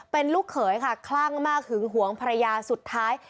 เป็นลูกเขยค่ะคลั่งมากหึงหวงภรรยาสุดท้าย